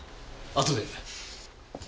あとで。